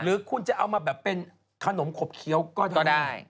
หรือคุณจะเอามาแบบเป็นขนมขบเคี้ยวก็ได้